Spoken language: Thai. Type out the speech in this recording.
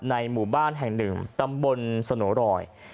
หมู่บ้านแห่งหนึ่งตำบลสโนรอย